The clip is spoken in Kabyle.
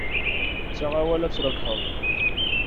Ttaɣ awal, ad trebḥeḍ.